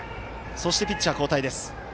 そして、ピッチャー交代です。